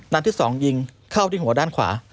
นัดที่๒ยิงเข้าที่หัวด้านขวา